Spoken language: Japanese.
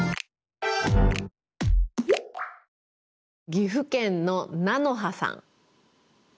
岐阜県のなのはさん。